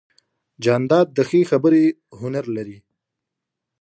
جانداد د ښې خبرې هنر لري.